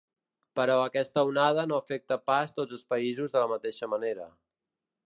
Però aquesta onada no afecta pas tots els països de la mateixa manera.